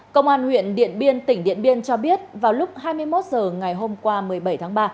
công an huyện điện biên tỉnh điện biên cho biết vào lúc hai mươi một h ngày hôm qua một mươi bảy tháng ba